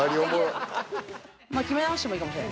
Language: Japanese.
決め直してもいいかもしれない。